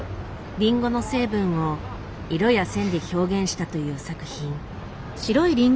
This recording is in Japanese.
リンゴの成分を色や線で表現したという作品。